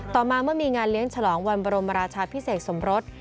ต่อมาเมื่อมีงานเลี้ยงฉลองวันบรมราชาพิเศษสมรส